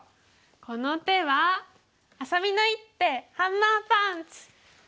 この手はあさみの一手ハンマーパンチ！